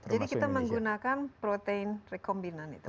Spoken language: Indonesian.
jadi kita menggunakan protein recombinant itu